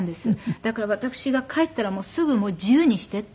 だから私が帰ったらもうすぐ自由にしてって。